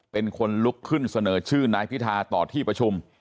เป็นคนลุกขึ้นเสนอชื่อนายพิธาต่อที่ประชุม